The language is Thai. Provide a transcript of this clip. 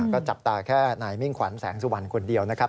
ก็จับตาแค่นายมิ่งขวัญแสงสุวรรณคนเดียวนะครับ